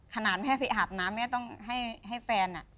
ขนาดแม่ไปอาบน้ำแม่ต้องให้แฟน